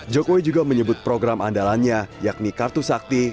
jokowi juga menyebut program andalannya yakni kartu sakti